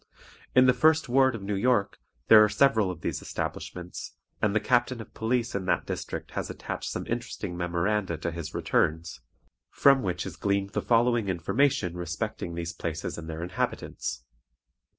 In the first ward of New York there are several of these establishments, and the Captain of Police in that district has attached some interesting memoranda to his returns, from which is gleaned the following information respecting these places and their inhabitants.